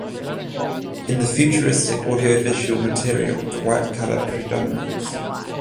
In the futuristic audiovisual material the white color predominates.